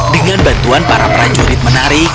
dengan bantuan para prajurit menari